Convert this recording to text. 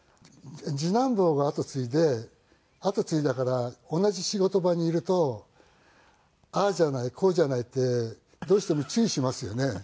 次男坊が後継いで後継いだから同じ仕事場にいるとああじゃないこうじゃないってどうしても注意しますよね。